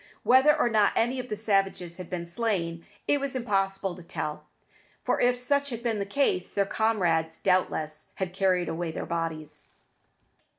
Whether or not any of the savages had been slain, it was impossible to tell, for if such had been the case, their comrades, doubtless, had carried away their bodies.